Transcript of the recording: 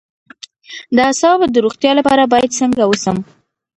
د اعصابو د روغتیا لپاره باید څنګه اوسم؟